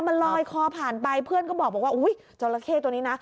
มันลอยคอผ่านไปเพื่อนก็บอกว่าอุ้ยจราเข้ตัวนี้นะ